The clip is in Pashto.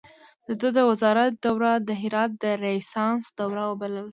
د ده د وزارت دوره د هرات د ریسانس دوره وبلل شوه.